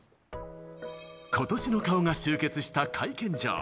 今年の顔が集結した会見場。